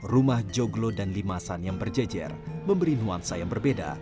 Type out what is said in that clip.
rumah joglo dan limasan yang berjejer memberi nuansa yang berbeda